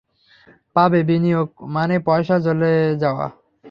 পাবে বিনিয়োগ মানে পয়সা জলে যাওয়া।